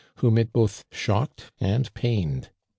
Whom it both shocked *od pained.